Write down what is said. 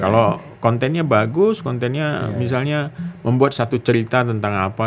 kalau kontennya bagus kontennya misalnya membuat satu cerita tentang apa